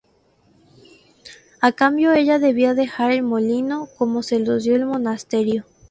A cambio ella debía dejar el molino cómo se lo dio el monasterio.